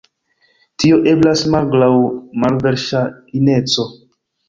Tio eblas malgraŭ malverŝajneco.